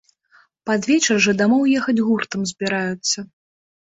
Пад вечар жа дамоў ехаць гуртам збіраюцца.